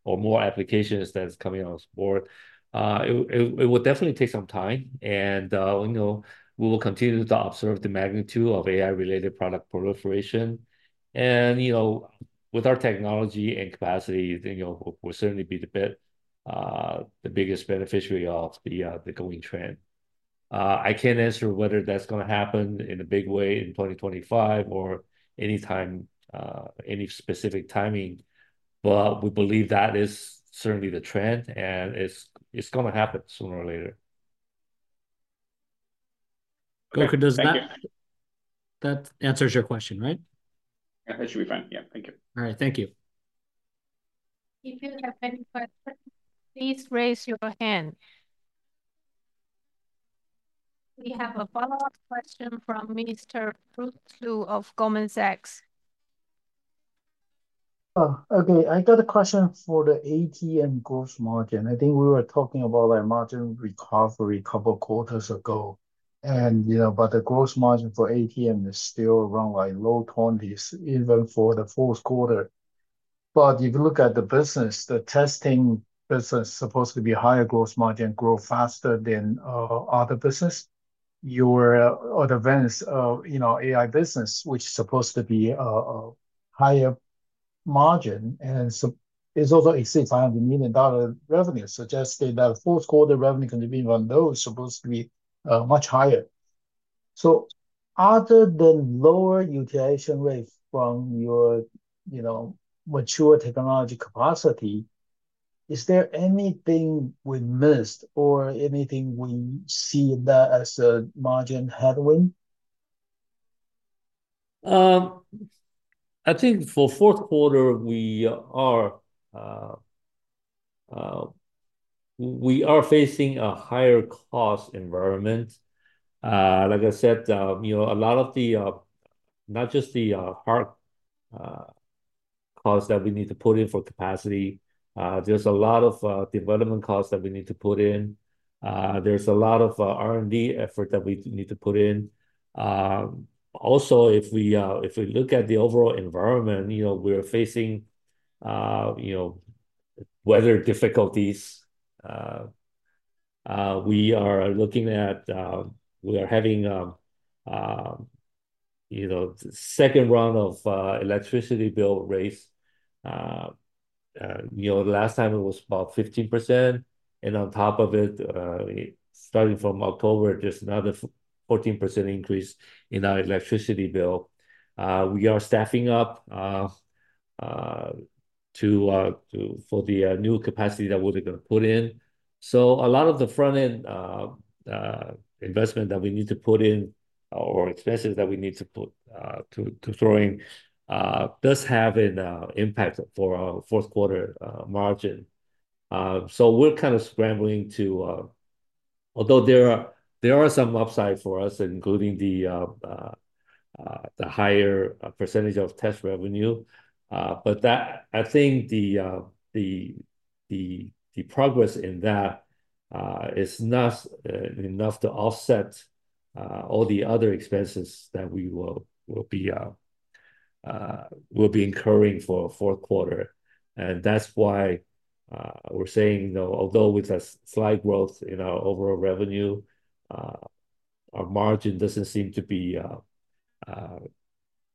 or more applications that's coming on board. It will definitely take some time. And we will continue to observe the magnitude of AI-related product proliferation. And with our technology and capacity, we'll certainly be the biggest beneficiary of the going trend. I can't answer whether that's going to happen in a big way in 2025 or any specific timing. But we believe that is certainly the trend, and it's going to happen sooner or later. Gokul, that answers your question, right? That should be fine. Yeah. Thank you. All right. Thank you. If you have any questions, please raise your hand. We have a follow-up question from Mr. Bruce Lu of Goldman Sachs. Okay. I got a question for the ATM gross margin. I think we were talking about margin recovery a couple of quarters ago. But the gross margin for ATM is still around low 20s, even for the fourth quarter. But if you look at the business, the testing business is supposed to be higher gross margin, grow faster than other business. Your advanced AI business, which is supposed to be a higher margin, and it's also exceeds 500 million dollar revenue, suggesting that the fourth quarter revenue contribution on those is supposed to be much higher. So other than lower utilization rate from your mature technology capacity, is there anything we missed or anything we see that as a margin headwind? I think for fourth quarter, we are facing a higher cost environment. Like I said, a lot of the, not just the hard costs that we need to put in for capacity. There's a lot of development costs that we need to put in. There's a lot of R&D effort that we need to put in. Also, if we look at the overall environment, we're facing weather difficulties. We are having the second round of electricity bill raise. Last time, it was about 15%. And on top of it, starting from October, there's another 14% increase in our electricity bill. We are staffing up for the new capacity that we're going to put in. So a lot of the front-end investment that we need to put in or expenses that we need to put through does have an impact for our fourth quarter margin. So we're kind of scrambling to although there are some upside for us, including the higher percentage of test revenue. But I think the progress in that is not enough to offset all the other expenses that we will be incurring for fourth quarter. And that's why we're saying, although with a slight growth in our overall revenue, our margin doesn't seem to be,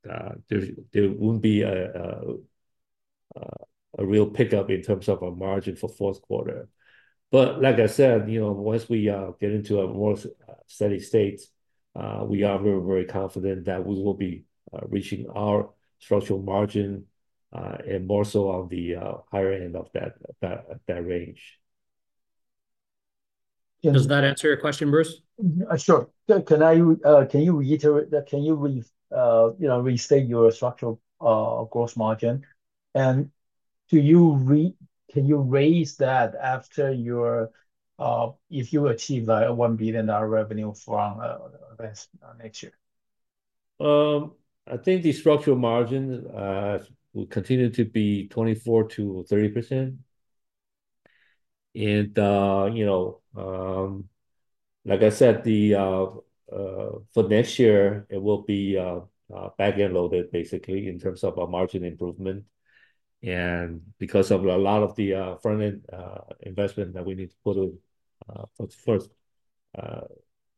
there won't be a real pickup in terms of our margin for fourth quarter. But like I said, once we get into a more steady state, we are very, very confident that we will be reaching our structural margin and more so on the higher end of that range. Does that answer your question, Bruce? Sure. Can you reiterate that? Can you restate your structural gross margin? And can you raise that after your if you achieve a $1 billion revenue for next year? I think the structural margin will continue to be 24%-30%. And like I said, for next year, it will be backend loaded, basically, in terms of our margin improvement. And because of a lot of the front-end investment that we need to put in for the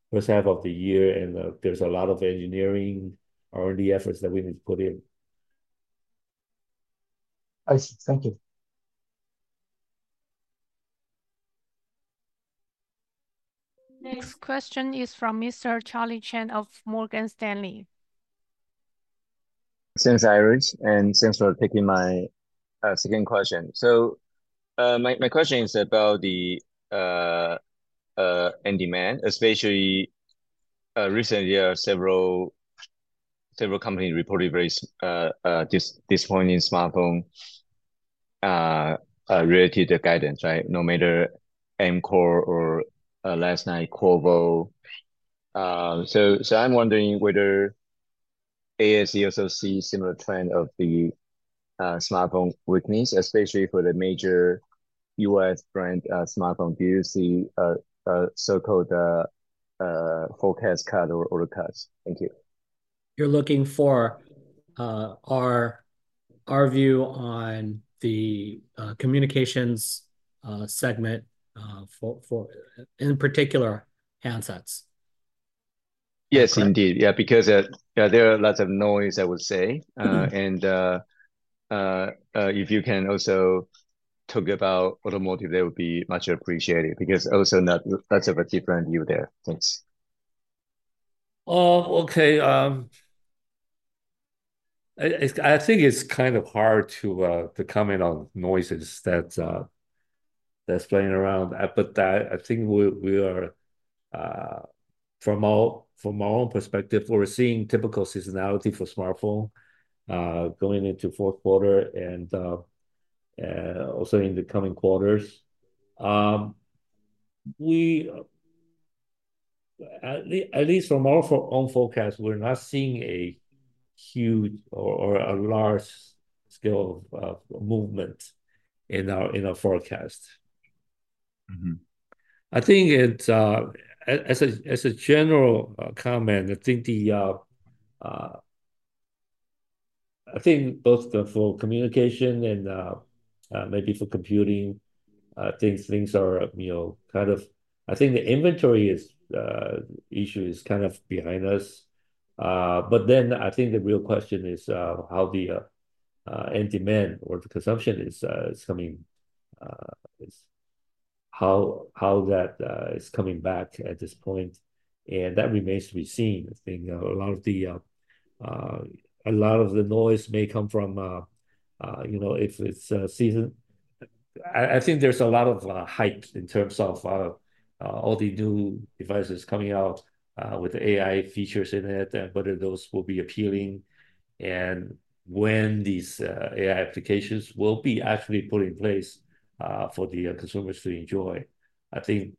first half of the year, and there's a lot of engineering R&D efforts that we need to put in. I see. Thank you. Next question is from Mr. Charlie Chan of Morgan Stanley. Thanks, Iris. And thanks for taking my second question. So my question is about the end demand, especially recently, several companies reported very disappointing smartphone-related guidance, right? No matter Amkor or last night, Qorvo. So I'm wondering whether ASE also sees a similar trend of the smartphone weakness, especially for the major U.S. brand smartphone. Do you see a so-called forecast cut or order cuts? Thank you. You're looking for our view on the communications segment, in particular, handsets. Yes, indeed. Yeah. Because there are lots of noise, I would say. And if you can also talk about automotive, that would be much appreciated because also lots of a different view there. Thanks. Okay. I think it's kind of hard to comment on noises that's playing around. But I think from our own perspective, we're seeing typical seasonality for smartphone going into fourth quarter and also in the coming quarters. At least from our own forecast, we're not seeing a huge or a large scale of movement in our forecast. I think as a general comment, I think both for communication and maybe for computing, I think things are kind of, I think the inventory issue is kind of behind us. But then I think the real question is how the end demand or the consumption is coming, how that is coming back at this point. And that remains to be seen. I think a lot of the noise may come from if it's a season. I think there's a lot of hype in terms of all the new devices coming out with AI features in it, and whether those will be appealing and when these AI applications will be actually put in place for the consumers to enjoy. I think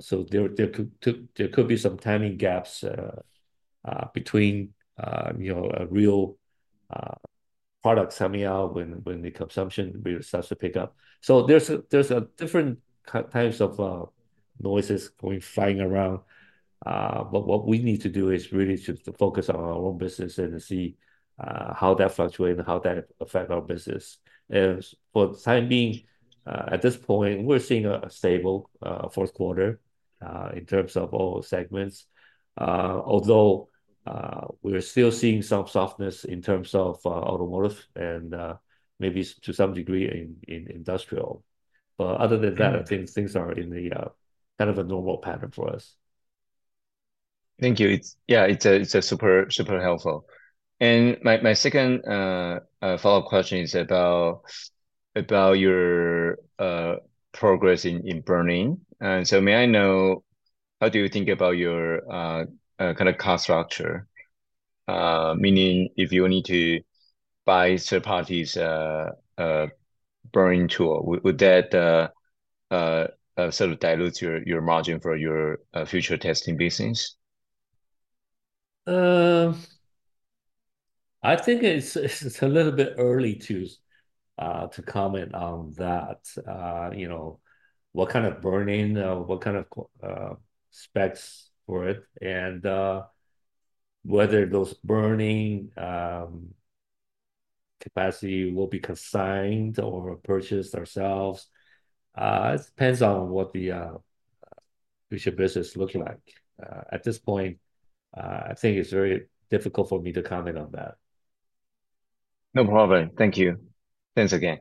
so there could be some timing gaps between real products coming out when the consumption really starts to pick up. So there's different types of noises going flying around. But what we need to do is really just to focus on our own business and see how that fluctuates and how that affects our business. And for the time being, at this point, we're seeing a stable fourth quarter in terms of all segments. Although we're still seeing some softness in terms of automotive and maybe to some degree in industrial. But other than that, I think things are in kind of a normal pattern for us. Thank you. Yeah, it's super helpful. And my second follow-up question is about your progress in burn-in. And so may I know how do you think about your kind of cost structure, meaning if you need to buy third-party's burn-in tool, would that sort of dilute your margin for your future testing business? I think it's a little bit early to comment on that, what kind of burn-in, what kind of specs for it, and whether those burn-in capacity will be consigned or purchased ourselves. It depends on what the future business looks like. At this point, I think it's very difficult for me to comment on that. No problem. Thank you. Thanks again.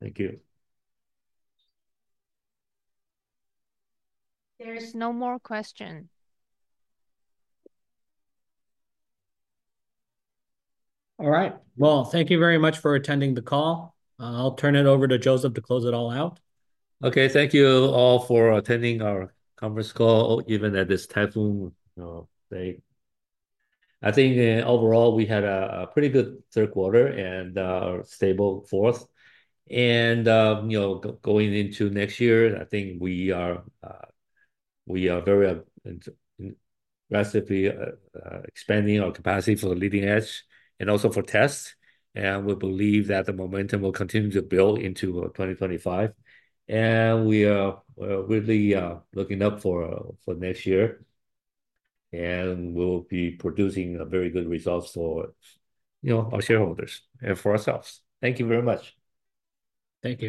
Thank you. There's no more question. All right. Thank you very much for attending the call. I'll turn it over to Joseph to close it all out. Okay. Thank you all for attending our conference call, even at this typhoon day. I think overall, we had a pretty good third quarter and a stable fourth. And going into next year, I think we are very aggressively expanding our capacity for the leading edge and also for tests. And we believe that the momentum will continue to build into 2025. And we are really looking up for next year. And we'll be producing very good results for our shareholders and for ourselves. Thank you very much. Thank you.